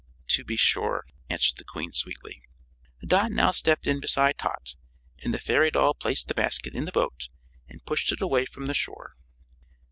"To be sure," answered the Queen, sweetly. Dot now stepped in beside Tot, and the fairy doll placed the basket in the boat and pushed it away from the shore.